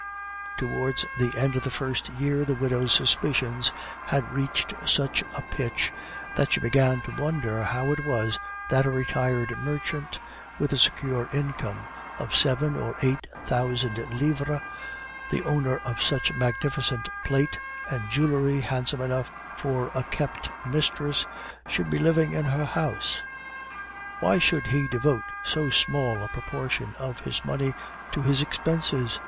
Towards the end of the first year the widow's suspicions had reached such a pitch that she began to wonder how it was that a retired merchant with a secure income of seven or eight thousand livres, the owner of such magnificent plate and jewelry handsome enough for a kept mistress, should be living in her house. Why should he devote so small a proportion of his money to his expenses?